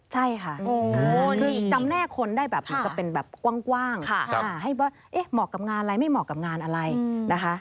ใช่ค่ะคือจำแน่คนได้แบบเหมือนกับเป็นแบบกว้างให้ว่าเหมาะกับงานอะไรไม่เหมาะกับงานอะไรนะคะ